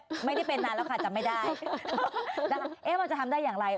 ไม่ได้เป็นนานแล้วค่ะจำไม่ได้นะคะเอ๊ะมันจะทำได้อย่างไร